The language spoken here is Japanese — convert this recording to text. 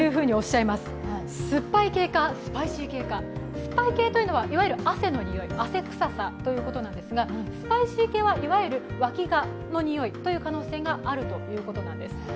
酸っぱい系というのは、いわゆる汗のにおいですがスパイシー系はいわゆるわきがのにおいという可能性があるということなんです。